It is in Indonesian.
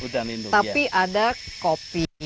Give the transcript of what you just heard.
tapi ada kopi